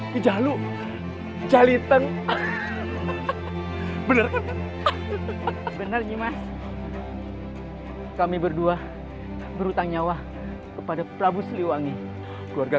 ke jalu jalitan bener bener nyimas kami berdua berhutang nyawa kepada prabu siliwangi keluarga